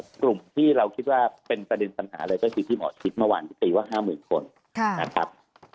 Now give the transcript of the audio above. กลุ่มที่เราคิดว่าเป็นประเด็นปัญหาเลยก็คือที่หมอคิดเมื่อวานที่ตีว่า๕๐๐๐คนนะครับ